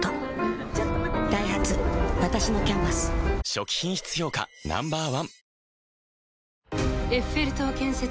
初期品質評価Ｎｏ．１